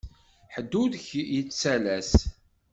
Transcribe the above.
Ḥedd ur k-yettalas.